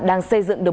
đang xây dựng được